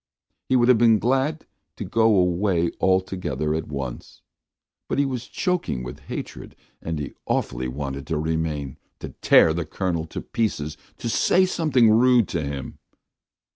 He would have been glad to go away altogether at once, but he was choking with hatred and he awfully wanted to remain, to tear the Colonel to pieces, to say something rude to him.